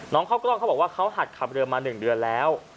เข้ากล้องเขาบอกว่าเขาหัดขับเรือมา๑เดือนแล้ว